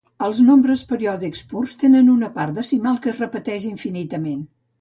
Els nombres periòdics purs tenen una part decimal que es repeteix infinitament.